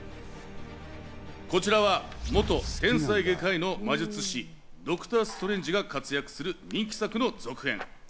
こちらは元天才外科医の魔術師、ドクター・ストレンジが活躍する人気作の続編。